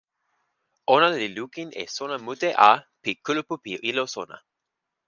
ona li lukin e sona mute a pi kulupu pi ilo sona.